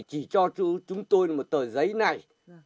chỉ cho chúng tôi một tờ giấy này